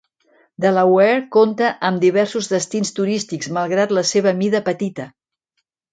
Delaware compta amb diversos destins turístics malgrat la seva mida petita.